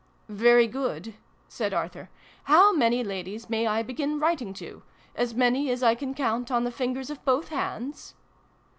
"Very good," said Arthur. " How many ladies may I begin writing to ? As many as I can count on the fingers of both hands